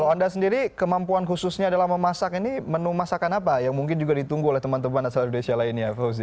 kalau anda sendiri kemampuan khususnya dalam memasak ini menu masakan apa yang mungkin juga ditunggu oleh teman teman asal indonesia lainnya fauzi